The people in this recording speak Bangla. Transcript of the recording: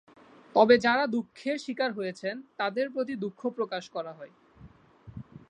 তবে যাঁরা দুর্ভোগের শিকার হয়েছেন, তাঁদের প্রতি দুঃখ প্রকাশ করা হয়।